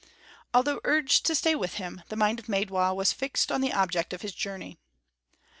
Although urged to stay with them, the mind of Maidwa was fixed on the object of his journey.